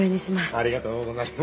ありがとうございます。